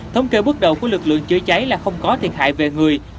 thống kê bước đầu của lực lượng chữa cháy là không có thiệt hại về người